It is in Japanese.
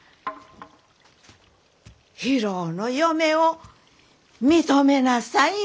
博夫の嫁を認めなさい。